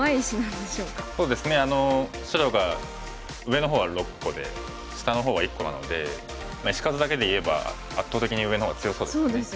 あの白が上の方は６個で下の方は１個なので石数だけで言えば圧倒的に上の方が強そうですよね。